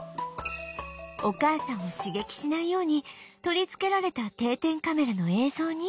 お母さんを刺激しないように取り付けられた定点カメラの映像に